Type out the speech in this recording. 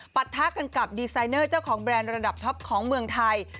ปะทะกันกับดีไซเนอร์เจ้าของแบรนด์ระดับท็อปของเมืองไทย